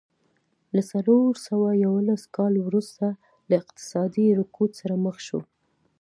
له څلور سوه یوولس کاله وروسته له اقتصادي رکود سره مخ شوه.